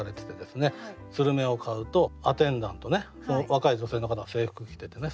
するめを買うとアテンダントね若い女性の方が制服着ててね